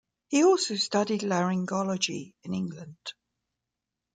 He also studied laryngology in England.